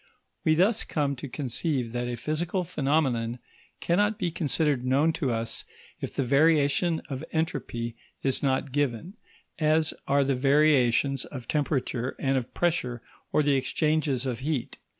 We thus come to conceive that a physical phenomenon cannot be considered known to us if the variation of entropy is not given, as are the variations of temperature and of pressure or the exchanges of heat.